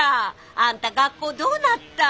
あんた学校どうなった？